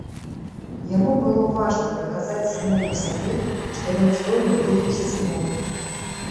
Яму было важна даказаць самому сабе, што ён здольны вывучыць мову.